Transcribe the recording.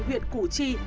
huyện củ trì